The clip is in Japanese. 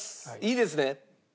いいですね？